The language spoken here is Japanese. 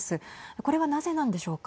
これは、なぜなんでしょうか。